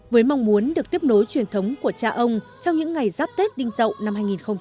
với mong muốn được tiếp nối truyền thống của cha ông trong những ngày giáp tết đinh dậu năm hai nghìn hai mươi